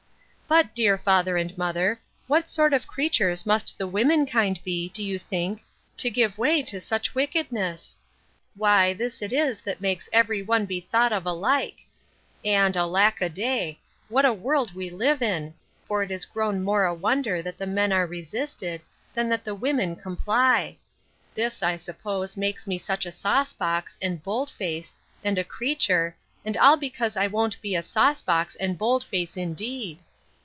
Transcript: But, dear father and mother, what sort of creatures must the womenkind be, do you think, to give way to such wickedness? Why, this it is that makes every one be thought of alike: And, alack a day! what a world we live in! for it is grown more a wonder that the men are resisted, than that the women comply. This, I suppose, makes me such a sauce box, and bold face, and a creature, and all because I won't be a sauce box and bold face indeed.